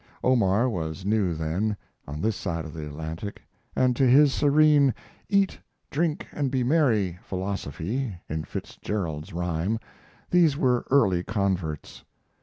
Omar was new then on this side of the Atlantic, and to his serene "eat, drink, and be merry" philosophy, in Fitzgerald's rhyme, these were early converts.